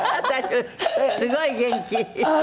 すごい元気。